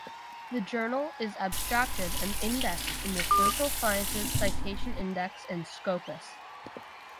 The journal is abstracted and indexed in the Social Sciences Citation Index and Scopus.